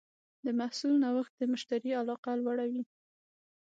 د محصول نوښت د مشتری علاقه لوړوي.